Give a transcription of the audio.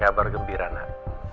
ada kabar gembira nak